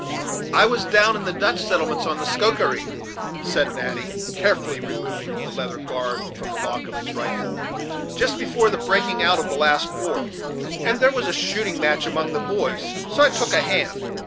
"I was down in the Dutch settlements on the Schoharie," said Natty, carefully removing the leather guard from the lock of his rifle, "just before the breaking out of the last war, and there was a shooting match among the boys; so I took a hand.